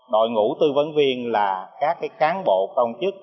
đội ngũ tư vấn viên là các cán bộ công chức